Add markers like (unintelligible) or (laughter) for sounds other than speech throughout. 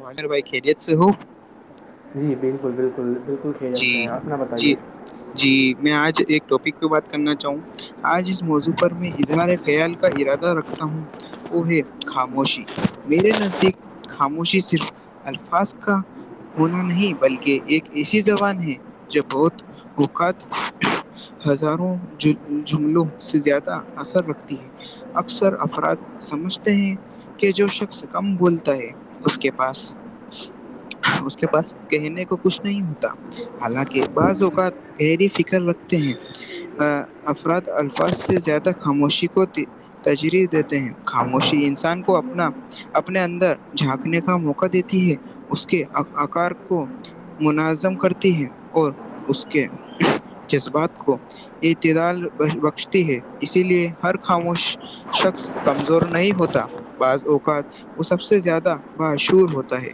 ور بھائی خیریت سے ہ (unintelligible) جی بالکل بالکل بالکل خیریت جی سے ہیں اپنا جی بتائیے جی میں آج ایک ٹاپک پہ بات کرنا چاہوں آج اس موضوع پر میں اظہار خیال کا ارادہ رکھ ت ہوں وہ ہے خاموشی (unintelligible) میرے نزدیک خاموشی صرف الفاظ کا ہونا نہیں بلکہ ایک ایسی زبان ہے جو بہت حکت ہزاروں جملوں سے زیادہ اثر رکھتی ہے اکثر افراد سمجھتے ہیں کہ جو شخص کم بولتا ہے اس کے پاس اس کے پاس کہنے کو کچھ نہیں ہوتا حالانکہ بعض اوقات گہری فکر رکھتے ہیں افراد الفاظ سے زیادہ خاموشی کو تجریز دیتے ہیں خاموشی انسان کو اپنا اپنے اندر جھانکنے کا موقع دیتی ہے اس کے آکار کو منظم کرتی ہے اور اس کے جذبات کو اعتداد بخشتی ہے اسی لیے ہر خاموش شخص کمزور نہیں ہوتا بعض اوقات وہ سب سے زیادہ باشور ہوتا ہے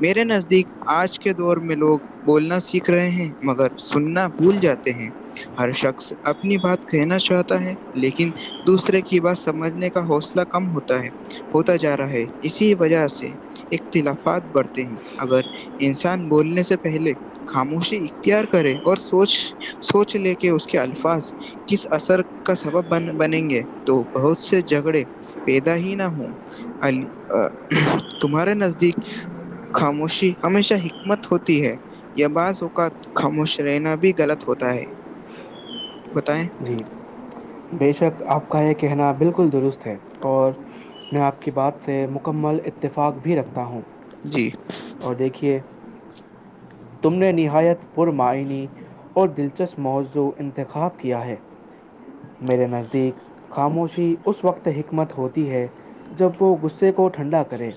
میرے نزدیک آج کے دور میں میں لوگ بولنا سیکھ رہے ہیں مگر سننا بھول جاتے ہیں ہر شخص اپنی بات کہنا چاہتا ہے لیکن دوسرے کی بات سمجھنے کا حوصلہ کم ہوتا ہے ہوتا جا رہا ہے اسی وجہ سے اختلافات بڑھتے ہیں اگر انسان بولنے سے پہلے خاموشی اختیار کرے اور سوچ سوچ لے کے اس کے الفاظ کس اثر کا سبب ب بنیں گے تو بہت سے جھگڑے (unintelligible) پیدا ہی نہ ہو تمہارے نزدیک خاموشی ہمیشہ ہی حک مت ہوتی ہے یہ بعض اوق خاموش رہنا بھی غلط ہوتا ہے بتائیں (inaudible) جی بے شک آپ کا یہ کہنا بالکل درست ہے اور میں آپ کی بات سے مکمل اتفاق بھی رکھتا ہوں جی اور دیکھیے تم نے نہایت پر معنی اور دلچسپ موضوع انتخاب کیا ہے میرے نزدیک خاموشی اس وقت حکمت ہوتی ہے جب وہ غصے کو ٹھنڈا کرے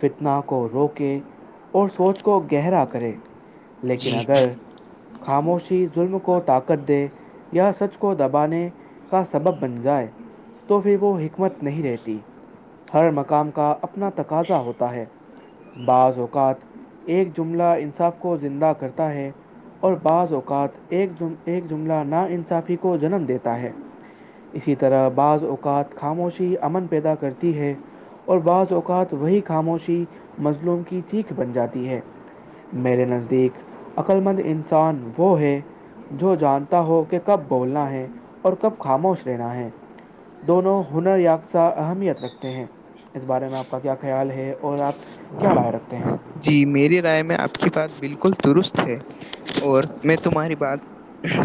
فتن کو روکے اور سوچ کو گہرا کرے لیکن جی اگر خاموشی ظلم کو طاقت دے یا سچ کو دبانے کا سبب بن جائے تو پھر وہ حکمت نہیں رہتی ہر مقام کا اپنا تقاضا ہوتا ہے بعض اوقات ایک جملہ انصاف کو زندہ کرتا ہے اور بعض اوقات ایک ایک جملہ نا انصافی کو جنم دیتا ہے اسی طرح بعض اوقات خاموشی امن پیدا کرتی ہے اور بعض اوقات وہی خاموشی مظلوم کی چھیخ بن جاتی ہے میرے نزدیک عقل مند انسان وہ ہے جو جانتا ہو کہ کب بولنا ہے اور کب خاموش لینا ہے دونوں ہنر یافتہ اہمیت رکھتے ہیں اس بارے میں آپ کا کیا خیال ہے اور آپ کیا رائے رکھتے ہیں جی میری رائے میں آپ کی بات بالکل درست ہے اور میں تمہاری بات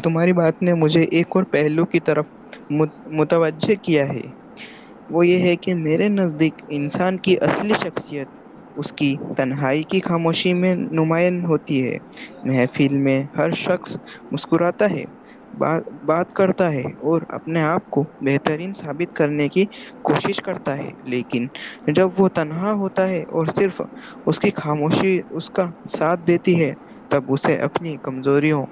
تمہاری بات نے مجھے ایک اور پہلو کی طرف متوجہ کیا ہے وہ یہ ہے کہ میرے نزدیک انسان کی اصلی شخصیت اس کی تنہائی کی خاموشی میں نمایا ہوتی ہے محفل میں ہر شخص مسکراتا ہے بات کرتا ہے اور اپنے آپ کو بہترین ثابت کرنے کی کوشش کرتا ہے لیکن جب وہ تنہا ہوتا ہے اور صرف اس کی خاموشی اس کا ساتھ دیتی ہے تب اس‌ کو اپنی کمزوریوں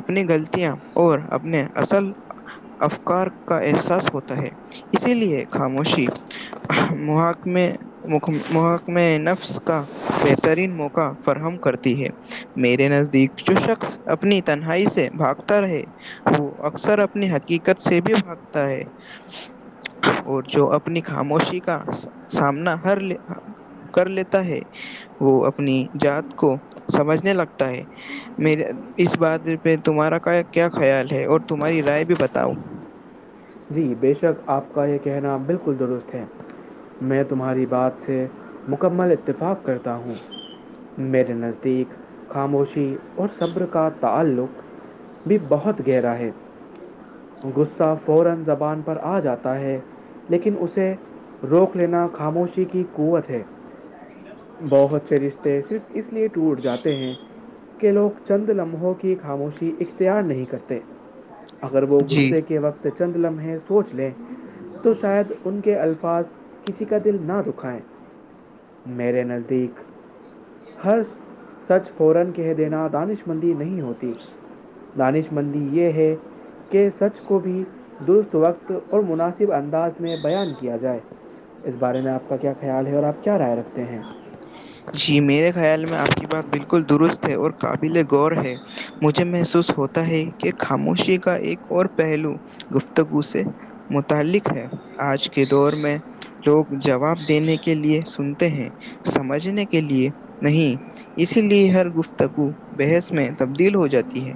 اپنی غلطیاں اور اپنے اصل افکار کا احساس ہوتا ہے اسی لیے خاموشی محکم محکمیں نفس کا بہترین موقع فراہم کرتی ہے میرے نزدیک جو شخص اپنی تنہائی سے بھاگتا رہے وہ اکثر اپنی حقیقت سے بھی بھاگتا ہے اور جو اپنی خاموشی کا سامنا ہر لے کر لیتا ہے وہ اپنی ذات کو سمجھنے لگتا ہے میرے اس بات پہ تمہارا کیا خیال ہے اور تمہاری رائے بھی بتاؤ جی بے شک آپ کا یہ کہنا بالکل درست ہے میں تمہاری بات سے مکمل اتفاق کرتا ہوں میرے نزدیک خاموشی اور صبر کا تعلق بھی بہت گہرا ہے غصہ فوران زبان پر آ جاتا ہے لیکن اسے روک لینا خاموشی کی قوت ہے بہت سے رشتے صرف اس لیے ٹوٹ جاتے ہیں کہ لوگ چند لمحوں کی خاموشی اختیار نہیں کرتے اگر وہ جی غصے کے وقت چند لمحے سوچ لیں تو شاید ان کے الفاظ کسی کا دل نہ دکھائیں میرے نزدیک ہر سچ فوران کہہ دینا دانشمندی نہیں ہوتی دانش مندی یہ ہے کہ سچ کو بھی درست وقت اور مناسب انداز میں بیان کیا جائے اس بارے میں آپ کا کیا کہ خیال ہے اور آپ کیا رائے رکھتے ہیں ج (inaudible) جی میرے خیال میں آپ کی بات بالکل درست ہے اور قابل غور ہے مجھے محسوس ہوتا ہے کہ خاموشی کا ایک اور پہلو گفتگو سے متعلق ہے آج کے دور میں لوگ جواب دینے کے لیے سنتے ہیں سمجھنے کے لیے نہیں اسی لیے ہر گفتگو بحث میں تبدیل ہو جاتی ہے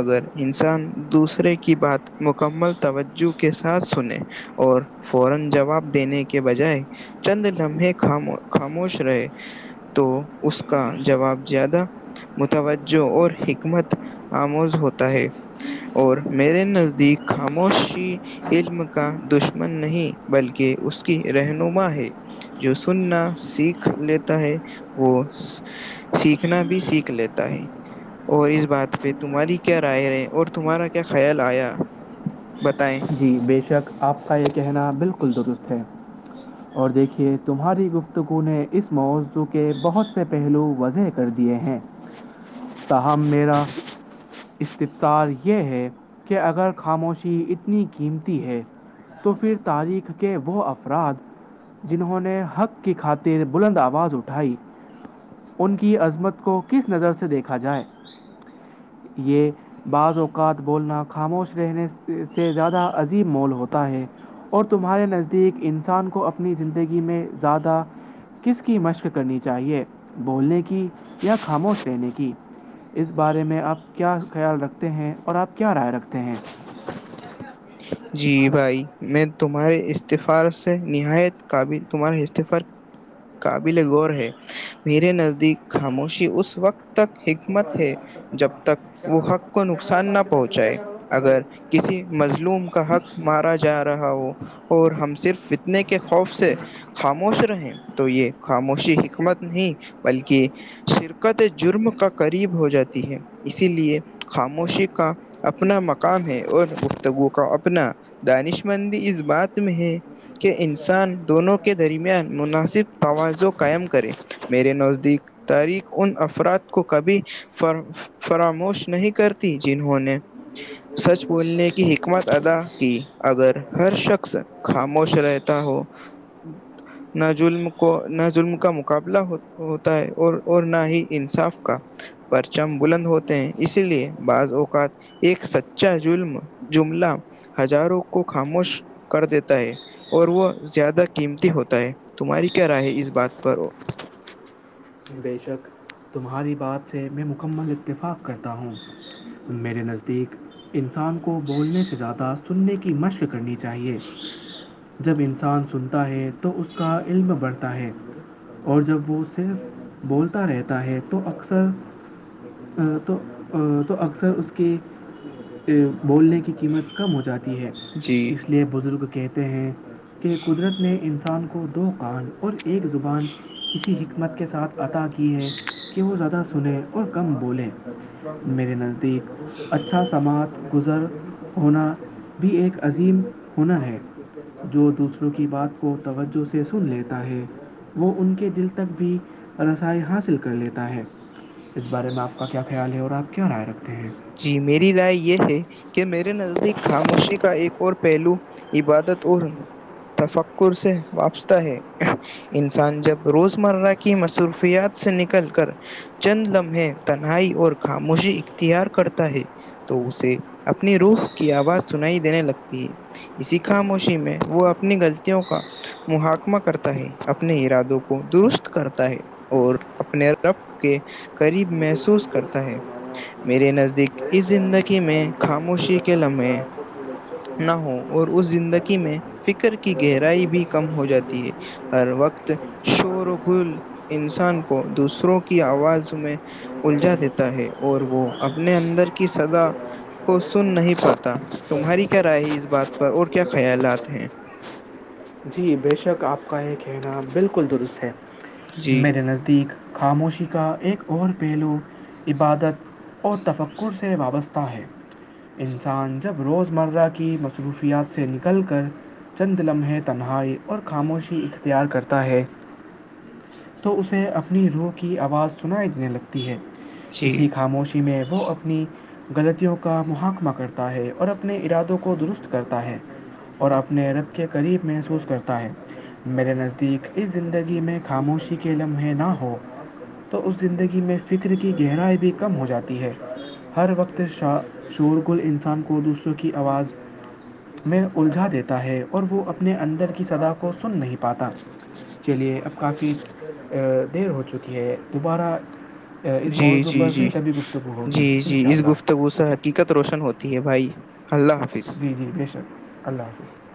اگر انسان دوسرے کی بات مکمل توجہ کے ساتھ سنے اور فورا جواب دینے کے بجائے چند لمحے خاموش خاموش رہے تو اس کا جواب زیادہ متوجہ اور حکمت آموز ہوتا ہے اور میرے نزدیک خاموشی علم کا دشمن نہیں بلکہ اس کی رہنما ہے جو سننا سیکھ لیتا ہے وہ سیکھنا بھی سیکھ لیتا ہے اور اس بات پہ تمہاری کیا رائے ہےے اور تمہارا کیا خیال آیا (unintelligible) بتائیں جی بے شک آپ کا یہ کہنا بالکل درست ہے اور دیکھیے تمہاری گفتگو نے اس موضوع کے بہت سے پہلو وضح کر کر دیے ہیں تاہم میرا استفصار یہ ہے کہ اگر خاموشی ات ننی قیمتی ہے تو پھر تاریخ کہ وہ افراد جنہوں نے حق کی خاطر بلند آواز اٹھائی ان کی عظمت کو کس نظر سے دیکھا جائے یہ بعض اوقات بولنا خاموش رہنے سے زیادہ عظیب مول ہوتا ہے اور تمہارے نزدیک ان انسان کو اپنی زندگی میں زیادہ کس کی مشق کرنی چاہیے بولنے کی یا خاموش لینے کی اس بارے میں آپ کیا خیال رکھتے ہیں اور آپ کیا رائے رکھتے ہیں شی منے گا (inaudible) جی بھائی میں تمہارے استفاع سے نہایت قابل تمہارے استعفاق قابل غور ہے میرے نزدیک خاموشی اس وقت تک حکمت ہے جب تک وہ حق کو نقصان نہ پہنچائے اگر کسی مظلوم کا حق مارا جا رہا ہو اور ہم صرف اتنے کے خوف سے (unintelligible) خاموش رہیں تو یہ خاموشی حکمت نہیں بلکہ شرکت جرم کا قریب ہو جاتی ہے اسی لیے خاموشی کا اپنا مقام ہے اور گفتگو کا اپنا دانش مندی اس بات میں ہے کہ انسان دونوں کے درمیان مناسب توازع قائم کرے میرے نزدیک تحریک ان افراد کو کبھی فر فراموش نہیں کرتی جنہوں نے سچ بولنے کی حکمت ادا کی اگر ہر شخص خاموش رہتا ہو (inaudible) نہ ظلم کو نہ ظلم کا مقابلہ ہوتا ہے اور اور نہ ہی انصاف کا پرچم بلند ہوتے ہیں اسی لیے بعض اوقات ایک سچ چا ظلم جملہ ہزاروں کو خاموش کر دیتا ہے اور وہ زیادہ قیمتی ہوتا ہے تمہاری کیا رائے ہے اس بات پر بے شک تمہاری بات سے میں مکمل اتفاق کرتا ہوں میرے نزدیک انسان کو بولنے سے زیادہ سننے کی مشق کرنی چاہیے جب انسان سنتا ہے تو اس کا علم بڑھتا ہے اور جب وہ صرف بولتا رہتا ہے تو اکثر (inaudible) بولنے کی قیمت کم ہو جاتی ہے جی اس لیے بزرگ کہتے ہیں کہ قدرت نے انسان کو دو کان اور ایک زبان اسی حکمت کے ساتھ عطا کی ہے کہ وہ زیادہ سنیں اور کم بولیں میرے نزدیک اچھا سماعت گزر ہونا بھی ایک عظیم ہونا ہے جو دوسروں کی بات کو توجہ سے سن لیتا ہے وہ ان کے دل تک بھی رسائی حاصل کر لیتا ہے اس بارے میں آپ کا کیا خیال ہے اور آپ کیا رائے رکھتے ہیں جی میری رائے یہ ہے کہ میرے نزدیک خاموشی کا ایک اور پہلو عبادت اور تفکر سے وابستہ ہے انسان جب روز مرہ کی مصروفیات سے نکل کر چند لمحے تنہائی اور خاموشی اختیار کرتے ہے تو اسے اپنی روح کی آواز سنائی دینے لگتی ہے اسی خاموشی میں وہ اپنی غلطیوں کا محکمہ کرتا ہے اپنے ارادوں کو درست کرتا ہے اور اپنے رب کے قریب مجھے اس کو محسوس درست کرتا ہے کروایا آپ نے میرے نزدیک میرے اس خیال زندگی میں والدین اور خاموشی کے اساتذہ لمحے کو اپنے بچوں کو نہ ہ ماضی کی اور اس اہمیت سکھانی زندگی میں چاہیے فکر کی اگر بچے گہرائی بھی کم بچپن ہو سے جاتی یہ ہے سیکھ (unintelligible) لیں ہر وقت کہ غلطی مان شور و لینا گل اور دوسروں انسان معاف کو کر دینا دوسروں اچھی کی بات آواز ہے میں انہیں بڑے الجا ہو دیتا کر ہے اچھے اور وہ انسان اپنے بنتے ہیں اندر کی اسی سدا طرح کو مشاعرے سن میں نہیں پاتا تمہاری کیا رائے ہے اس بات پر اختلاف اور کی کیا ضرورت پڑتا خیالات ہیں ہے جی بے شک آپ کا یہ کہنا بالکل درست ہے جی میرے نزدیک خاموشی کا ایک اور پہلو عبادت اور تفکر سے وابستہ ہے انسان جب روزمرہ کی مصروفیات سے نکل کر چند لمحے تو تنہائی اور خاموشی اختیار کرتا ہے تو اسے اپنی روح کی آواز سنائی دینے لگتی ہے جی اسی خاموشی کہ میں وہ اپنی غلطیوں کا محکمہ کرتا ہے اور اپنے ارادوں کو درست کرتا ہے اور اپنے رب کے قریب محسوس کرتا ہے میرے نزدیک اس زندگی میں خاموشی کے لمحے نہ ہو تو اس زندگی میں فکر کی گہرائی بھی کم ہو جاتی ہے ہر وقت شا شور گل انسان کو دوسروں کی آواز میں الجھا دیتا ہے اور وہ اپنے اندر کی سدا کو سن نہیں پاتا چلیے اب کافی دیر ہو چکی ہے دوبارہ اس جی موضوع جی پر پھر جی کبھی گفتگو ہوگی جی جی انشاء اس اللہ گفتگو ساح (unintelligible) حقیقت روشن ہوتی ہے بھائی اللہ حافظ جی جی بے شک اللہ حافظ